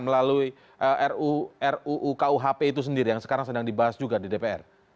melalui ruu kuhp itu sendiri yang sekarang sedang dibahas juga di dpr